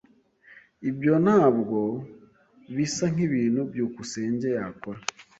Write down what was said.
Ibyo ntabwo bisa nkibintu byukusenge yakora.